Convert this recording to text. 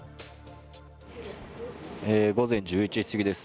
午前１１時すぎです。